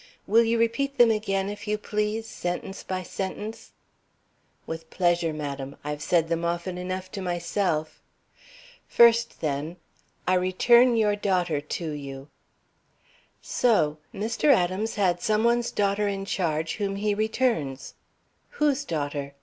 Will you repeat them again, if you please, sentence by sentence?" "With pleasure, madam; I have said them often enough to myself. First, then: 'I return your daughter to you!'" "So! Mr. Adams had some one's daughter in charge whom he returns. Whose daughter?